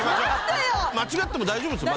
間違っても大丈夫ですよ。